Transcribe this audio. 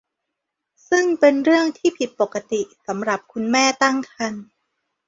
ซึ่งเป็นเรื่องที่ผิดปกติสำหรับคุณแม่ตั้งครรภ์